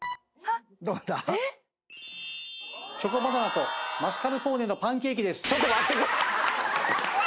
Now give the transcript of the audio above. チョコバナナとマスカルポーネのパンケーキです。